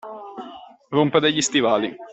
Rompere gli stivali.